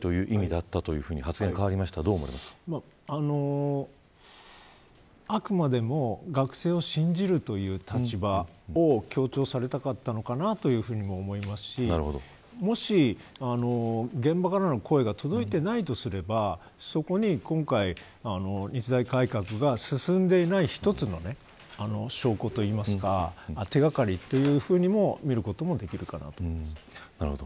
今のところは見つかっていないという意味だったと、発言があくまでも学生を信じるという立場を強調されたかったのかなとも思いますしもし、現場からの声が届いていないとすればそこに今回日大改革が進んでいない一つの証拠といいますか手掛かりというふうにも見ることができると思います。